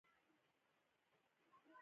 دا کار زموږ د کلتوري ودې لپاره ګټور دی